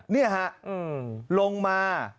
นี่ฮะลงมา